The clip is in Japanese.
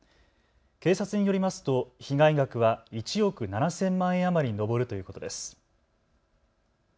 警察によりますと被害額は１億７０００万円余りに上るということです。